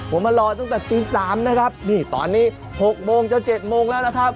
ผมมารอตั้งแต่ตี๓ตอนนี้๖โมงจน๗โมงแล้วครับ